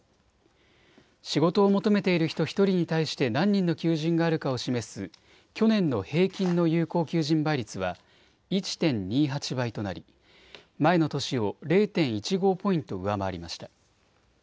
仕事を求めている人１人に対して何人の求人があるかを示す去年の平均の有効求人倍率は１．２８倍となり前の年を０．１５ポイント上回りました。